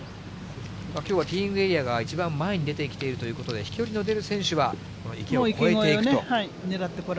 きょうはティーイングエリアが一番前に出てきているということで、飛距離の出る選手は、この池を越えていくと。